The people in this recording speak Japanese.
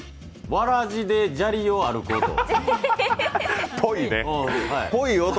わらじで砂利を歩く音？